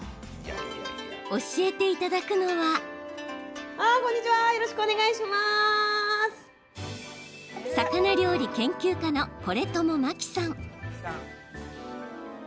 教えていただくのは魚料理研究家の是友麻希さん。